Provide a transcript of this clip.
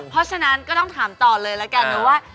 เพราะฉะนั้นก็ต้องถามต่อเลยแล้วกันนะว่า